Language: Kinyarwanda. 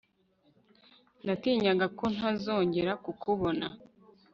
Natinyaga ko ntazongera kukubona